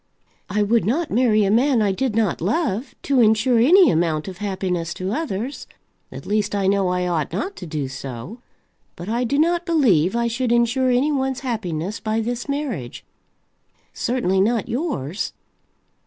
"I would not marry a man I did not love, to ensure any amount of happiness to others; at least I know I ought not to do so. But I do not believe I should ensure any one's happiness by this marriage. Certainly not yours."